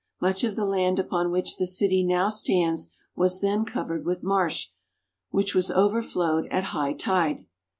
Much of the land upon which the city now stands was then covered with marsh, which was over flowed at high tide.